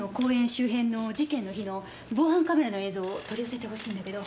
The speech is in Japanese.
周辺の事件の日の防犯カメラの映像を取り寄せてほしいんだけど。